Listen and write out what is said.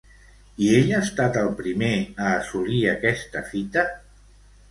I ell ha estat el primer a assolir aquesta fita?